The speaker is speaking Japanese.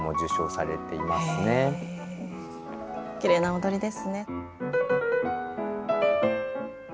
きれいな踊りですね。